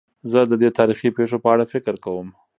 زه د دې تاریخي پېښو په اړه فکر کوم.